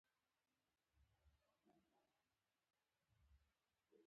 که مو پرېښوده، پردي به یې یوسي.